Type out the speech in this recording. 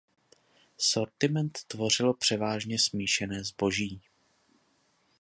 Sortiment tvořilo převážně smíšené zboží.